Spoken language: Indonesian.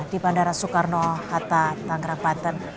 di bandara soekarno hatta tangerang banten